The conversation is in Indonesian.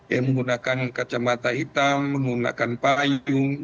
yang menggunakan kacamata hitam menggunakan payung